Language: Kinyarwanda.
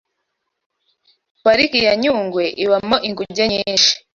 Pariki ya Nyungwe ibamo inguge nyinshi